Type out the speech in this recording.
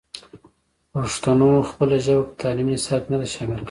پښتنو خپله ژبه په تعلیمي نصاب کې نه ده شامل کړې.